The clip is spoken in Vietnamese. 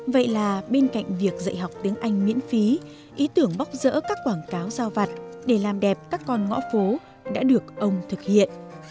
vậy là bên cạnh việc dạy học tiếng anh miễn phí ý tưởng bóc rỡ các quảng cáo giao vặt để làm đẹp các con ngõ phố đã được ông thực hiện